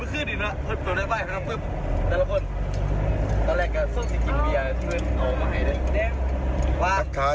สวัสดีครับ